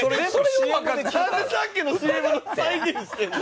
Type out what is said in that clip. なんでさっきのＣＭの再現してんの？